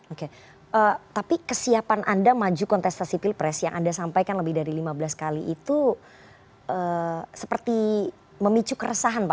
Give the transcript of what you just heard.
oke tapi kesiapan anda maju kontestasi pilpres yang anda sampaikan lebih dari lima belas kali itu seperti memicu keresahan pak